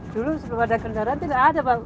dulu sebelum ada kendaraan tidak ada bang